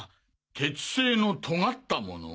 鉄製のとがった物？